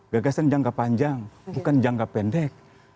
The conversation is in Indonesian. gagasan jangka panjang bukan jangka pendek